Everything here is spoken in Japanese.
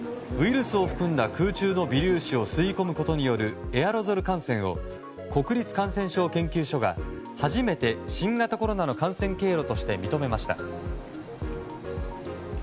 ウイルスを含んだ空中の微粒子を吸い込むことによるエアロゾル感染を国立感染症研究所が初めて新型コロナの感染経路として認めました。